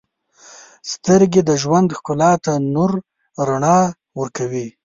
• سترګې د ژوند ښکلا ته نور رڼا ورکوي.